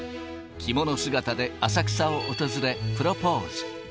着物姿で浅草を訪れ、プロポーズ。